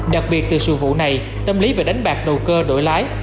đặc biệt từ sự vụ này tâm lý về đánh bạc đầu cơ đổi lái